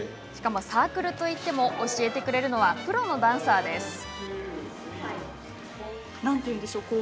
サークルといっても教えてくれるのはプロのダンサーです。